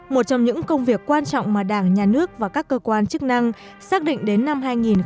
một trong những công việc quan trọng mà đảng nhà nước và các cơ quan chức năng xác định đến năm hai nghìn hai mươi